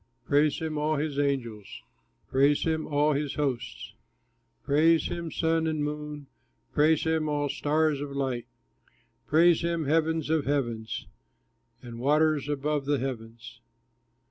Praise him, all his angels, Praise him, all his host! Praise him, sun and moon, Praise him, all stars of light! Praise him, heavens of heavens, And waters above the heavens!